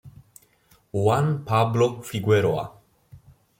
Juan Pablo Figueroa